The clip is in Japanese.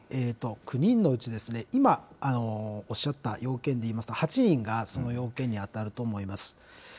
９人のうち、今、おっしゃった要件でいいますと、８人がその要件に当たると思います。